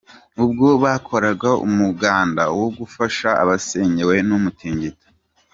Ubwo bakoraga umuganda wo gufasha abasenyewe n'umutingito.